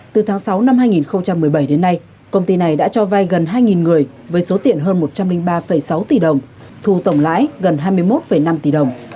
từ tháng sáu năm hai nghìn một mươi bảy đến nay công ty này đã cho vai gần hai người với số tiền hơn một trăm linh ba sáu tỷ đồng thu tổng lãi gần hai mươi một năm tỷ đồng